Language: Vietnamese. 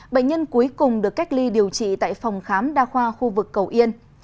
bệnh nhân cuối cùng được cách ly điều trị tại phòng khám đa khoa khu vực cầu yên